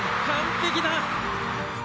完璧だ！